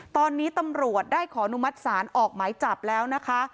ตอนนี้ตำรวจได้ขอนุมัติศาลออกหมายจับแล้วนะคะ